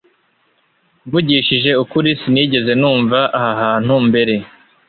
Mvugishije ukuri Sinigeze numva aha hantu mbere